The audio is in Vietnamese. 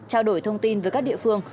trao đổi thông tin với các địa phương